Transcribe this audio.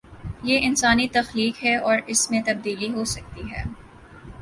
یہ انسانی تخلیق ہے اور اس میں تبدیلی ہو سکتی ہے۔